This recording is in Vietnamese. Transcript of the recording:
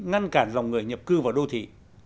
ngăn cản dòng người nhập cư vào đô thị